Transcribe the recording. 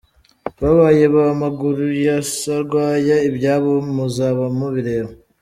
Babaye ba maguru ya sarwaya ibyabo muzaba mubireba.